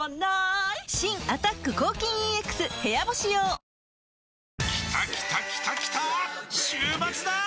新「アタック抗菌ＥＸ部屋干し用」きたきたきたきたー！